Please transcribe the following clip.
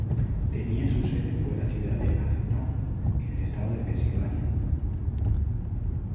Tenía su sede fue la ciudad de Allentown, en el estado de Pensilvania.